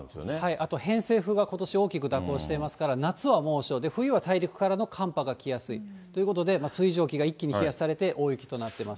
あと偏西風がことし大きく蛇行してますから、夏は猛暑、冬は大陸からの寒波が来やすいということで、水蒸気が一気に冷やされて、大雪となっています。